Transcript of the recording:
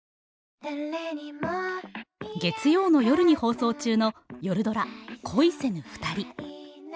月曜の夜に放送中の「よるドラ恋せぬふたり」。